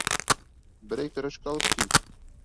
Берәй көрөшкә алып кил.